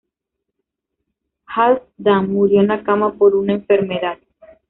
Halfdan murió en la cama por una enfermedad.